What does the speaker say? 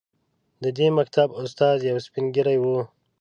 د دې مکتب استاد یو سپین ږیری و.